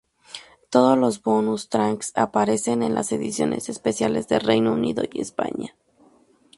Todos los bonus tracks aparecen en las ediciones especiales de Reino Unido y España.